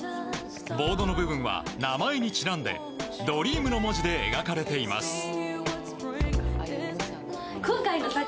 ボードの部分は名前にちなんでＤｒｅａｍの文字で描かれています。